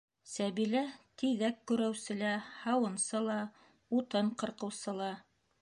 Сәбилә - тиҙәк көрәүсе лә, һауынсы ла, утын ҡырҡыусы ла...